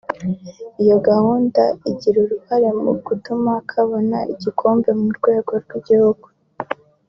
iyo gahunda igira uruhare mu gutuma kabona igikombe ku rwego rw’igihugu